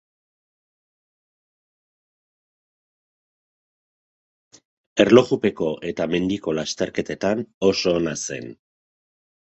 Erlojupeko eta mendiko lasterketetan oso ona zen.